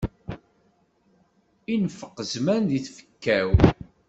Infeq zzman di tfekka-w.